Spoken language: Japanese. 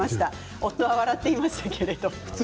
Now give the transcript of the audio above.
夫は笑っていましたが。